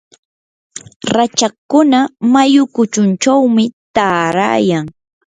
rachakkuna mayu kuchunchawmi taarayan.